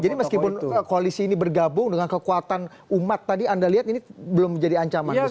jadi meskipun koalisi ini bergabung dengan kekuatan umat tadi anda lihat ini belum menjadi ancaman besar